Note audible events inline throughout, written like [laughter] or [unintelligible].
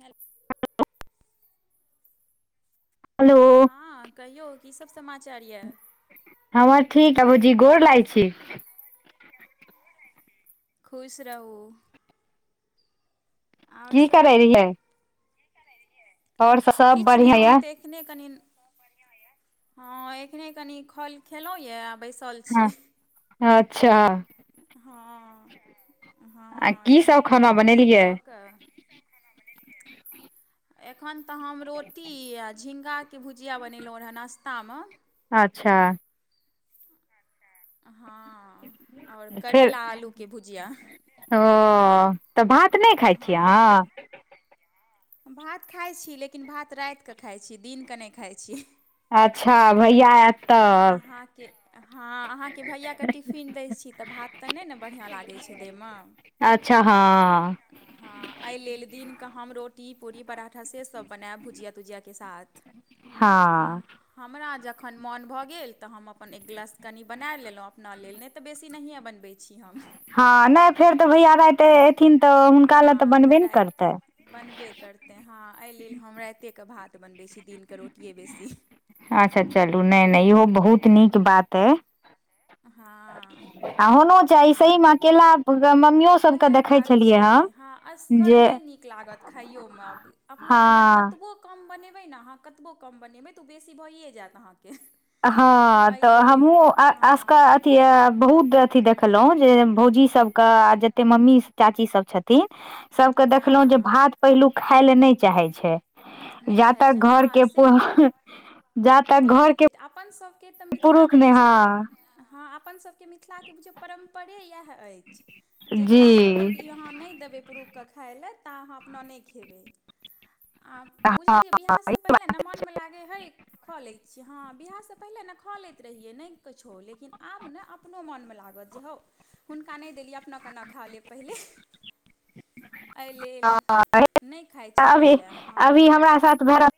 Hello. Hello हँ कहियौ कीसभ समाचार यए। हमर ठीक ए भौजी गोर लागै छी। खुश रहू। और की करै सब रहियै और सब किछ नै बढ़िया हम यऽ तऽ एख- ऐखनै कनि हँ ऐखनै कनि खल खेलोया आ बैस- तल हँ छी। अच्छा हँ आ हँ की एखने सब पूजा खाना पाठसब बनेलियै कऽ कऽ। खाना बनेलियै? एखन तऽ हम रोटी आ झींगा के भुजिया बनेलौ रहए नाश्ता मे- अच्छा हँ और करेला आलू के भुजिया। हँ तऽ भात नै खाय छियै हँ आहाँ? भात खाइ छी लेकिन भात रैत केँ खाइ छी दिनकेँ नै खाइ छी। अच्छा भैया एत। आहाँके- हँ आहाँके भैयाके टिफिन दै छी तऽ भात तऽ नै ने बढ़िआँ लागै छै दैय मे- अच्छा हँ। हँ एहि लेल दिनके हम रोटी पूरी पराठा से सब बनेएब भुजिया तुजियाके साथ- हँ आह हमरा जखन मोन भऽ गेल तऽ हम अपन एक ग्लास कनि बना लेलौ अपना लेल नै तऽ बेसी नहिए बनबै। छी हम। हँ नै फेर तऽ भैया रैत एयथिन तऽ हुनका हँ लए तऽ बनबे ने करतै। राति बनबे करतै हँ एय लेल हम रैतेके भात बनबै छी दिनके रोटिए बेसी ह- अच्छा चलू नै-नै इहो बहुत नीक बात अइ। हँ आ होनो चाही आ सहीमे अकेला मम्मियो सबके उएह देखै बात छेलियै छै हँन। हँ असगर नै नीक लागत खायो मे अपना लेए बड हँ कतबो। कम बनेबै नऽ आहाँ कतबो कम बनेबै तऽ ओ बेसी भइए जेएत आहाँकेँ। हँ तऽ हमहुँ अ- आसकऽ हँ अथी ये बहुत अथि देखलौ जे भौजी सबके जे। ते मम्मी चाची सब छथिन सबके देखलौ जे हँ भात पहिलु खाय ले नै चाहेै छै। नहि जा चाहैत तक छै हँ घर के से पू ह जा तक घर के- अपन सब के तऽ। पुरुख मिथिलाके नै हँ। बुझियौ हँ अपन सबके मिथिलाके बुझियौ परम्परे इएह अइछ। जे जी जा तबैक ई आहाँ नै देबै पुरुख कऽ खाय लेए ता आहाँ अपना नै खेबै। आ हँ बुझलियै बियाहसँ पहिले नऽ मोन मे लागै हइ। खा लैत छियै हँ बिआहसँ पहिलने ने खा लैत रहियै नै किछो लेकिन आब ने आब। अपनो मोनमे लागत जे हौ हुनका नै देलियै अपना केना खा लेब पहिले। एहि लेल हँ अभी, नहि खाइ छी अभी, पहिले हँ अभी हमरा साथ भरत।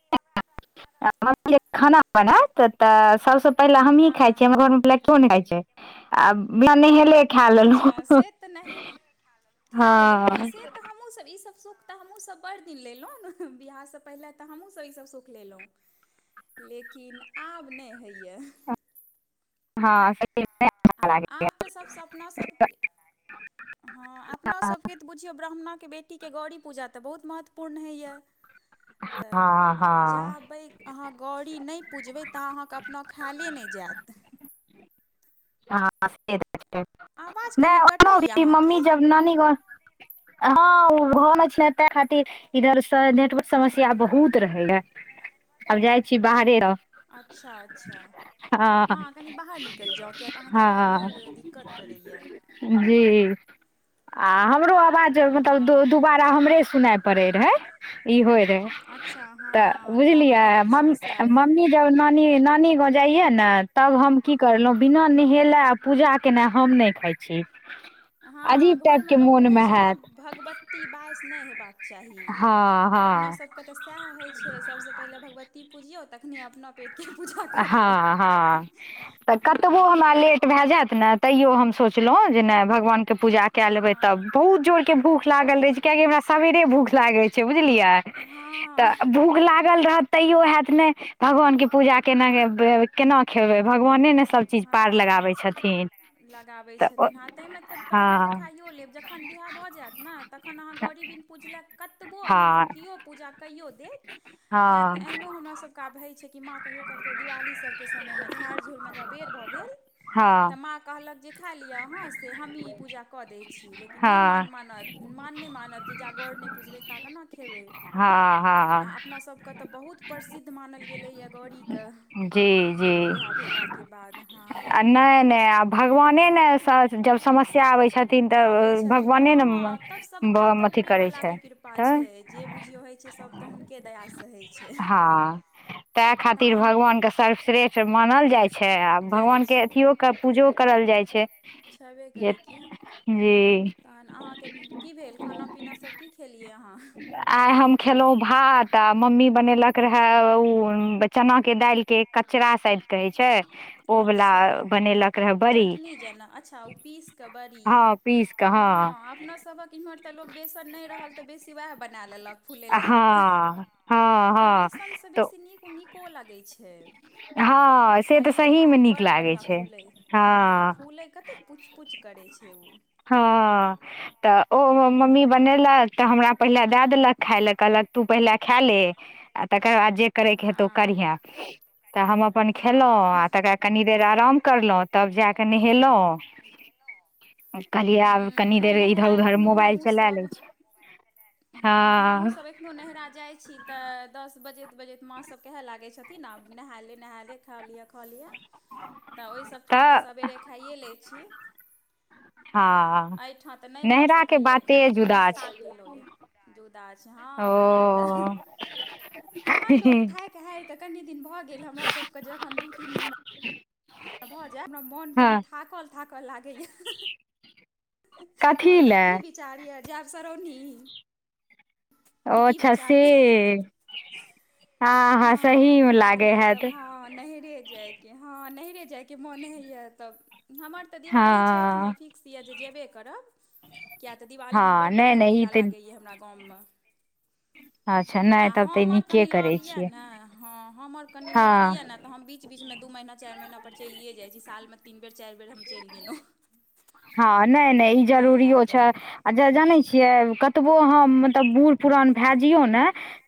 म्मी खाना बनाएत तऽ सब सँ। पहिले हमही खाय छियै हँ हमर घरो [unintelligible] खाय छै आब नहेलै। अच्छा से तऽ नैहे खए लेलौ हँ से- तऽ हमहूँसब ईसब सुख तऽ हमहूँसब बड़ दिन लेलौ बिआहसँ पहिनेे तऽ हमहूँसब ईसब सुख लेलौ। लेकिन आब नै हैया। हँ से नहि अच्छा हँ लागे आ आब तऽ सबसँ अपना सबके- हँ अपना सबके तऽ बुझियौ ब्राह्मणाके बेटीके गौड़री पूजा तऽ बहुत महत्वपूर्ण होइए। तऽ हँ हँ जाबै। अहाँ गौड़ी नहि पुजबै ता अहाँके अपना खायले नहि जायत। हँ से तऽ छै, आवाज कनि नहि कटैए ओ मम्मी अहाँके जब नानी गांव हँ घन छल ने तै खातिर इधर से नेटवर्क समस्या बहुत रहे या, आब जाय छी बाहरे। अच्छा- अच्छा हँ कनि बाहर निकलि जाउ। किया तऽ अहाँके आवाज हँ बड़ दिक्कत करैए। जी। आ हमरो आवाज मतलब हँ दुबारा हमरे सुनाय पड़ैत रहै। ई होइ रहे। अच्छा तऽ हँ बुझलियै टावरके कनि मम्मी समस्या - मम्मी रहैए जब नानी गांव जाइया ने तब हम की करलहुं। बिना नहेए आ पूजा केना हम नहि खााय छी। हँ अजीब टाइप घरमे के लोक मोन कहै मे छै ने हैत। भगवती बइस नहि होेबाक चाही हँ अपना हँ सब तऽ सएह होइ छै, सबसँ पहिलने भगवती पुजियौ तखने अपना पेटके पूजा करियौ हँ- हँ तऽ हँ कतबो हँ हमरा ले भए जायत ने तैयो हम सोचलहुँ जे नहि। भगवान के पूजा के लेबे तब, बहुत जोर के भूख लागल रहे छै, कआाकि हमरा सबवेरे भूख लागे छै। छै बुझलिए, हँ तऽ भूख लागल रहत तैयो हैत ने भगवान के पूजा केनाे- केना खेबै भगवाने ने सभचीज पार लगाबै हँ छथिन। लगाबै तऽ छथिन, हँ ताहिमे तऽ पहिले तऽ हँ खाइयो लेब, जखन बियाह भऽ जायत ने तखन अहाँ गौड़ी बिन पूजलाक कतबो अहाँके हँ केओ पूजा कैयो देत, कियाकी हँ एहनो हमरा सबके आब होई छै माॅं कहियो काल के दिवाली सब के समयमे झाड़- झूर मे ज बेर भऽ गेल तऽ हँ माँ कहलक जे सिखा लिअ अहाँ से हमहीँ ई पूजा कऽ दै छी लेकिन नहि मान हँ मानत। मान नहि मानत जे, जा गौड़ नहि पुझबै ता केना खेबै। हँ आ हँ अपनासभके तऽ बहुत प्रसिद्ध मानल गेलैए गौड़ीके। जी। जी बिवाह भेला के बाद। हँ आ नै- नै आ भगवाने ने जब समस्या आबै छैथ छथिन तऽ आबै छथिन तऽ भगवाने ने हँ तब सभटा तऽ अथी करै छै ऊपरेवलाके कृपा तऽ। छै जे बुझियो होय छै सब तऽ हुनके दया से होय छै। हँ। ताहि खातिर तहन भगवानके सर्वश्रेष्ठ मानल जाइ छै, आ जाइ भगवानके छै अथियो के पूजो करल जाइ छै। छेबे छै जे करै की जी। तहन अहाँके की भेल खाना पीना सब की खेलियै अहाँ? आइ हम खेलहुँ भात, आ मम्मी बनेलक रहए ओ चनाके दालिके कचरा शायद कहै छै ओ वला अच्छा बनेलक रहऽ बड़ी चटनी जेना अच्छा ओ पीस कऽ बड़ी हँ। पीस कऽ हँ। इम्हर तऽ लोक बेसन नहि रहल तऽ बेसी वएह बना लेलक। फूलै लए दए कऽ। हँ हँ आ हँ बेसनसँ तऽ बेसी नीक- नीको ओ लगै छै। हँ से तऽ खाइयोमे सहीमे नीक बडड़ लागै बढ़िआँ छै फूलै हँ, फूलै कतेक पूच- पूच करै छै उ हँ तऽ ओ हमर मम्मी हँ बनेलक तऽ हमरा पहिले दए देलक। खाय लए, कहलक तू पहिले खा ले आ तकर बाद जे करयके हेतौ ओ करिहे। तऽ हम अपन खेलहुँ, हँ आ तकरा कनि देर आराम करलहुँ, तब जा कऽ नहेलहुँ। कहलियै आब ह्म कनी नहि देर इधर नैहरा उधर एखनहु मोबाइल चला हमहूँसभ लै छी हँ हमूँ सब अखनो नहरा जाइ छी तऽ, दस बजैत- बजैत माँसभ कहय लागै छथिन, आब नहा ले नहाय ले खा लिअ कऽ लियऽ तऽ ओहि सब ठाम तऽ सबेरे खाइए लै छी। आ हँ एहिठाँ तऽ नहि भऽ नैहराके सकैए, बाते एखन जुदा नाश्ता छै केलहुँ यए। जुदा छै, हँ ओ उएह तऽ तहन लोको थाक हैर के कनि दिन भऽ गेल हमरा सबके, जखन दूं, तिन महीना भऽ जाय हमरा मोन कनि हँ थाकल- थाकल लागैया। कह कथी तब लए की विचार यऽ जायब सरौनी। ओ की अच्छा से। विचार यए हँ हँ सही मे तऽ लागे कहलहुँ हैत तब हँ नहिरे जाए। हँ नहिहरे जाइके मोन होइया, तऽ हमर तऽ दिवाली छठमें हँ फि कृषि याऽ जे जेबे करब, किय तऽ दिवाली में हँ बड्ड नहि बढ़िआँ नहि ई मेला तऽ लागैए हमरा गांव में। अच्छा आ नहि तब तऽ ई हमर नीके कनि लऽग करै या छियै ना, हमर कनि हँ लऽग या ने तऽ हम बीच- बीच में दू महीना चारि महीनापर चलिए जाइ छी, सालमे तीन बेर चारि बेर हम चलि गेलहुँ। हँ नै- नै ई तैँ जरूरी लए छै। कऽ आ जे जानै छियै कतबो अहाँ मतलब बूढ़ पुरान भए जयौ ने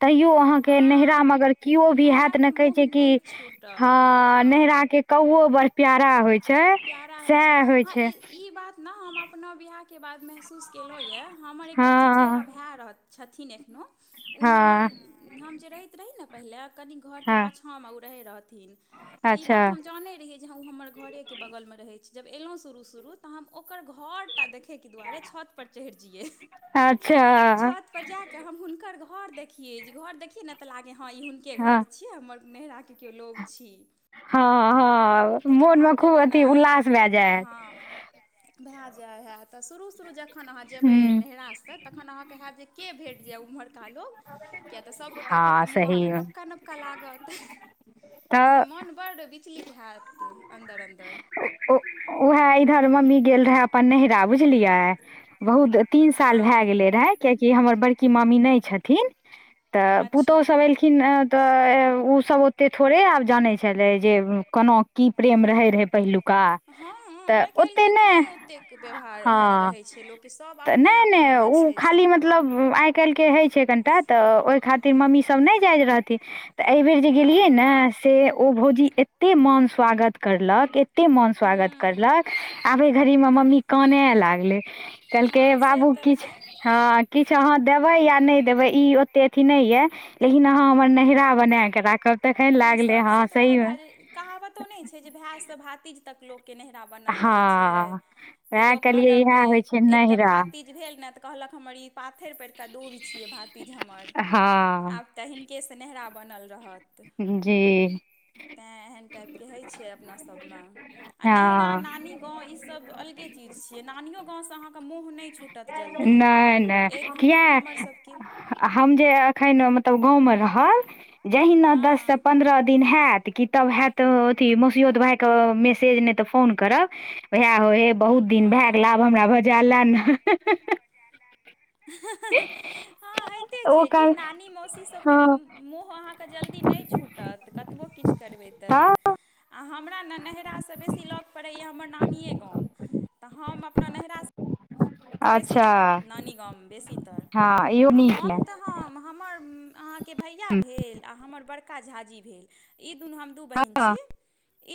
तैयो अहाँके नैहरा हँ मे अगर केओ भी हैत ने, नैहराके कहे मोह छै कि नहि ह छूटत हँ नैहरा के कौओ बड़ प्यारा होय प्यारा होइ छै हँ ई बात ने हम अपना बिआाहके बात महसूस केलहुँ यऽ, हमर एकटा चचेरा हँ भाय रहत छथिन एखनोहु, ओ हँ हमर हम जे रहैत रही ने पहिले कनि घरके हँ पछ हम उ रहे रहथिन, इ अच्छा बात हम जाने रहिएऐ उ हमर घरे के बगल मे रहै छै, जब एलहुँ शुरू- शुरू तऽ हम ओकर घरटा देखैके दुआरे, छत पर चढ़ि जइै, अच्छा छत पर जाकऽ हम हुनकर घर देखियै, घर देखियै न तऽ लागै हँ ई हुनके हँ घर छीये। कि हमर नहराके केओ लोग छी। हँ- हँ। उ जब मोन अहाँ मे खूब जेबै ने अथी उल्लास भए जायत हँ। भए जाइ हए तऽ शुरू- शुरू जखन अहाँ जेबै हूँ नैहरासँ। तखन आहा के हैतजे के भैट जै ऊमहरका लोग, किया तऽ सबगोटा के हँ मुंह सही तऽ मे नबका- नब का लागत, से तऽ मोन बड्ड विचलित हैत अन्दर- अन्दर। उएह इधर मम्मी गेल रहे अपन नहरा बुझलियै। बहुत तीन साल भए हँ गेले रहै। कियाकि हमर बड़की मामी नहि छथिन, तऽ अच्छा पुतोहु सब एलखिन हं तऽ उ सब ओतै थोरे आब जाने छलै जे कोना कि रहै रहै पहिलू का हँ तऽ आइ ओते काल्हिके ने तऽ नहि ओतेक व्यवहार ओहन हँ। रहै छै लोकके सभ तऽ अपने नै- नै अपनेमे ओ छै खाली सम्पन्न मतलब आइ काल्हिके होइ छै कनिटा, तऽ ओहि खातिर मम्मीसभ नहि जाइत रहथिन। तऽ एहिबेर जे हँ गेलियै ने से ओ भोजी एते मन स्वागत करलक ए- - कते मोन स्वागत करलक आबे घड़ी मे मम्मी कनेय लागले- - कहलकै हँ से बाबू तऽ कि हँ छै- - ह किछ अहाँ देबे या नेय देबे ई ओते अथी नहि ये लेकिन अह हमर नहि - - चाह बना कऽ राखब तखन हँ लागलै सभसँ हँ तऽ उएह सही मे- भए - जाइ कहावतो नहि छै जे भायसँ भातिज तक लोक- - के नहिरा बनल हँ रहै छै जे उएह लोग कहलियै कहलक इएह जे होइ छै एकटा नैहरा भाति ई भेल न तऽ कहलक हम ई पाथ्थर पर का दुब छियै भातिज हमर हँ अब - तऽ हिनकेसँ नहिरा बनल रहत- - जी- - तैँ, एहन टाइपके होइत छै अपनासभमे आ हँ नैरा नानी- - त इ सब अलगे चीज छै नानीओ गाम स मुंह ने- - ने छूटत जल्दी नहि नहि किया एखनो हमर सबके- - हम जे अखन मतलब गाँवमे रहब जहिना हँ दस से पन्द्रह दिन हेत। कि तब हैत अथी मसोत भााय के मैसेज नहि तऽ फोन करब ओहे होए। बहुत दिन भए गेल हँ आब हमरा भजा ले ने- - हँ, होइते ओ छै कि काल नानी मौसी सबके- - हँ मुह अहाँके जल्दी नहि छूटत कतबो किछु करबै- - तऽ हँ आ हमरा ने नैरासँ बेसी लग पड़ैए हमर नानिए गाम- - तऽ हम अपना नैहरा स- - त अच्छा बेसीजे नानी गाम बेसीतर हँ इहो आ नीक हम य तऽ- - हम हमर अहाँके भैया भेल आ हमर बड़का झाजी भेल ई दुनू हम- - दु बहिन हँ छि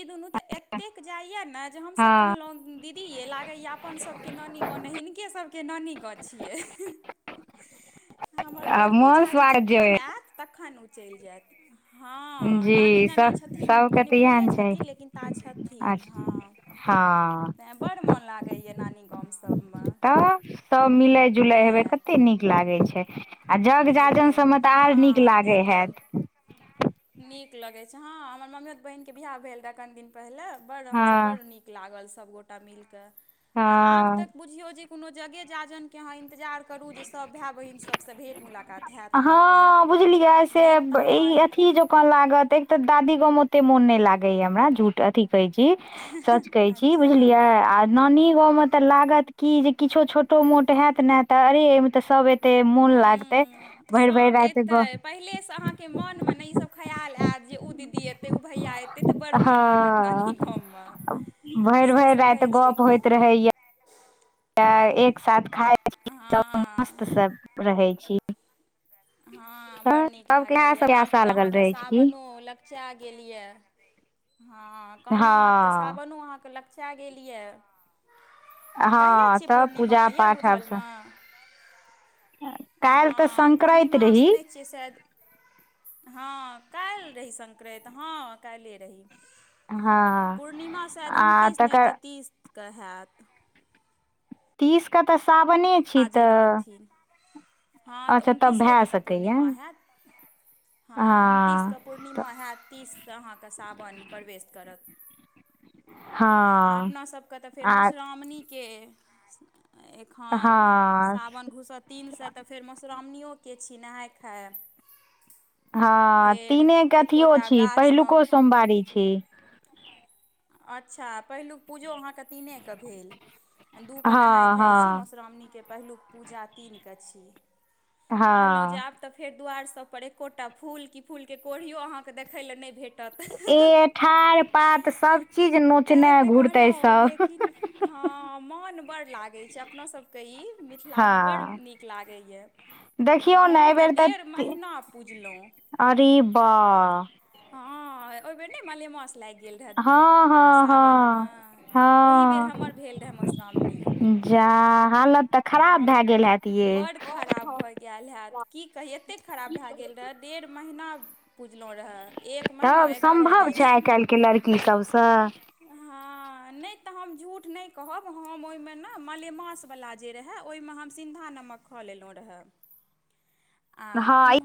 ई दुन ए तेऽक जाईए न हम सब हँ कहलो दी- - दिे यई लागे या अपन सबके के नानी गांव नई हिनके- - हिनके सब के नानी गांव छिए। हमर आ बड़को मोन ओझाजी स्वागत जे जखन होय। एत तखन ओ चलि जेता। हँ नानी जी नाना सब छथिन सबके कनि तऽ इएह बूढ़े ने चाही छथिन लेकिन ता छथिन अच्छा हँ- - हँ- - तैँ बड्ड मोन लागैए नानी गामसभमे - - तऽ त मिलेई- - जुलै हेबै कते कऽ नीक लागै छै, आ जग हेबै जाजन सबमे तऽ आर नीक हँ लागे तैँ तऽ हैत। नीक लगै छै हँ हमर मम्मियो बहिनक के बिियाह भेल रहै कनि दिन पहिले बड़ हमस बड़ हँ नीक- - निक लागल सब गोटा मिलक क आ आब हँ त बुझियो जे कोनो जगेजाजन- - के अहाँ इन्तजार करू जे सभ भाय -बहिन सबसँ भेँट मुलाकात होयत अहाँके- - इ ऐसेअब ई अथि- - ई जका लागत एक तऽ दादी गम मेओते मोन न लागे या हमरा झूठ अथी- - कहै छी सच कहै छी अच्छा बुझलिय आर- - नानी गाव में त लागत की जे किछो छोटो- मोट होयत ने त अरे एहि मे तऽ सब ए- - ते मून लागतै भैर -भैर राईत ग - - पहिले स अहा- - के मुनमे ने ई सब खयाल आयत जे ओ दीदी एत- - ओ भैया एतै तऽ बड्ड मोन लागत नानी हँ गांव में भरि से भरि सब राति होइ छै कि- - त एक साथ खााय छी त हँ मस्त से रहे छी। हँ तऽ बड़ नीक सबके इएह लागैए सबके आब आशा तऽ लगल अहाँके रहै छै की सावनो त लक - चा गेलिएया हा हँ कहलो अब त सावनो अहा लक- - ा गेल यऽ कहिआ हँ छै तऽ पूर्णिमा पूजा यए पाठ आब स बुझलमे। काल्हि तऽ हँ संक्रान्ति पूर्णिमा रही सुनै छियै शायद हँ काल्हि रही संकरैत हँ काल्हिए रही। हँ पूर्णिमा शायद आ उनतीस नहि तकर तऽ तीसकेँ हैत तीस के तऽ सावने छी आ जे तऽ रहथिन हँ तऽ अच्छा तब भए उनतीसेके तऽ सकैया पूर्णिमा हैत हँ उनतीसके पूर्णिमा हेयत तीससँ के अहाँके सावन प्रवेश करत आ हँ अपनासभके तऽ फेर आ मधुश्रावणीके हँ। दू सऽ तिनऽेर छि नाय खा हँ तीने के अथियो छी गाछमे पहिलुको सोमवारी छी। अच्छा पहिलुक पूजो अहाँके तीनेके भेल दूके नहााय हँ खाइत छी हँ मधुश्रावणीके पहिलुक पूजा तिनके छी कहलहुँ जे हँ आब तऽ फेर दु्वरि सभ पर एकोटा फूल किी फूलके कोढ़ियो अहाँकेँ देखय ल नहि भेटत। ए ठाढ़ पात सब चीज नोचने ते तऽ कह ल घुरते सब लेकिन हँ मोन बड़ लागैत छै अपनासभ क ई मिथिला में बड़ हँ नीक लागैए। आओ देखियौ ने हम तऽ डेढ़ महिना पुजलहुँ। अरेबा हँ ओहि बेर ने माले मास लागि गेल हँ रहय हँ सावनमे हँ ओहि बेर हँ हमर भेल रहै मधुश्राावणी। जाा हालत तऽ खराब भए गेल हत ये बड़ खराब भऽ गेल होैत की कही एतेक खराब भए गेल रहय डेढ़ महीना पुजलहुँ रहऽ तब सम्भव छै आइ काल्हिके लड़की सभसँ। हँ नहि तऽ हम झूठ नहि कहब हम ओहिमे ने मलेमास बाला जे रहा ओई में हम सिंधा नमक को ले लो रेहै आ हँ इ